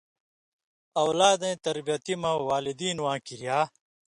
اؤلادَیں تربیتی مہ والدین واں کریا